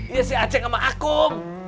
iya si aceh sama akum